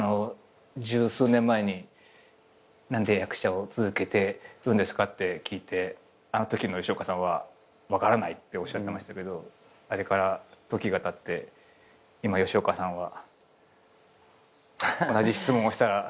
十数年前に何で役者を続けてるんですか？って聞いてあのときの吉岡さんは分からないっておっしゃってましたけどあれから時がたって今吉岡さんは同じ質問をしたら。